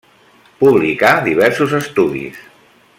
Publicà diversos estudis.